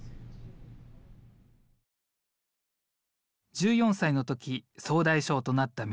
１４歳の時総大将となった行胤さん。